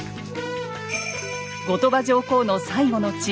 後鳥羽上皇の最期の地